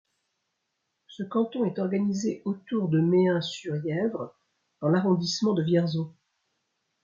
Ce canton est organisé autour de Mehun-sur-Yèvre dans l'arrondissement de Vierzon.